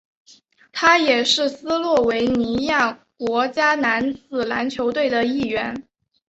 他也是斯洛维尼亚国家男子篮球队的一员。